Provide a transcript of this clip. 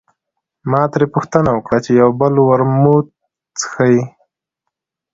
ما ترې پوښتنه وکړه چې یو بل ورموت څښې.